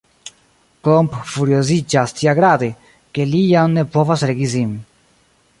Klomp furioziĝas tiagrade, ke li jam ne povas regi sin.